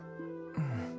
うん。